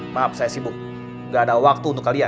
maaf saya sibuk gak ada waktu untuk kalian